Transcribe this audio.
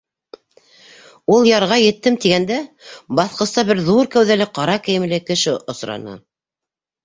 Ул ярға еттем тигәндә, баҫҡыста бер ҙур кәүҙәле ҡара кейемле кеше осраны.